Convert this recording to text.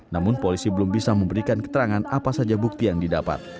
namun polisi belum bisa memberikan keterangan apa saja bukti yang didapat